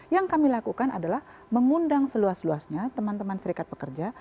yang kami lakukan adalah mengundang seluas luasnya teman teman serikat pekerja